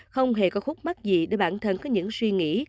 không hề có khúc mắt gì để bản thân có những suy nghĩ